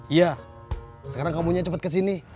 iya sekarang kamu nya cepet kesini